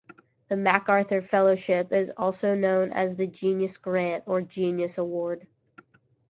The MacArthur Fellowship is also known as the "Genius Grant" or "Genius Award".